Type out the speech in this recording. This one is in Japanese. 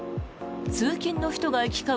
通勤の人が行き交う